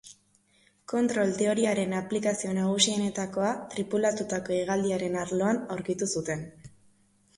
Kontrol-teoriaren aplikazio nagusienetakoa tripulatutako hegaldiaren arloan aurkitu zuten.